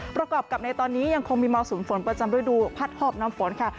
ประกอบกับในตอนนี้ยังคงมีมรสุมฝนประจำฤดูพัดหอบน้ำฝนค่ะ